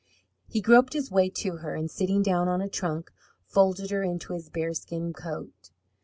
He groped his way to her, and sitting down on a trunk, folded her into his bearskin coat.